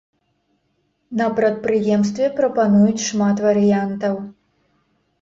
На прадпрыемстве прапануюць шмат варыянтаў.